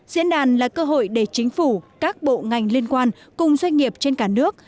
diễn đàn là cơ hội để chính phủ các bộ ngành liên quan cùng doanh nghiệp trên cả nước